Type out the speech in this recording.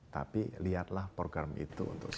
tapi lihatlah program itu untuk saya